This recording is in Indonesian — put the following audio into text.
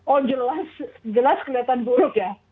oh jelas jelas kelihatan buruk ya